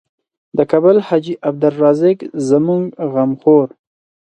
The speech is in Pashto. د کابل حاجي عبدالرزاق زموږ غم خوړ.